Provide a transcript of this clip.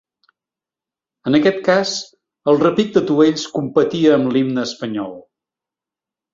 En aquest cas, el repic d’atuells competia amb l’himne espanyol.